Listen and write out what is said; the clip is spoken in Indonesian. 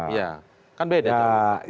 iya kan beda kan